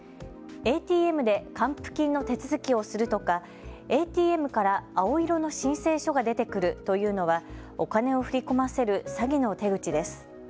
ＡＴＭで還付金の手続きをするとか、ＡＴＭから青色の申請書が出てくるというのは、お金を振り込ませる詐欺の手口です。